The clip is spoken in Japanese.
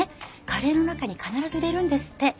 カレーの中に必ず入れるんですって。